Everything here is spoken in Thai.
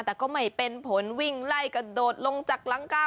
แต่ก็ไม่เป็นผลวิ่งไล่กระโดดลงจากหลังกา